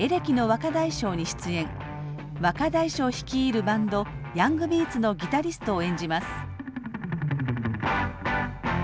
若大将率いるバンドヤングビーツのギタリストを演じます。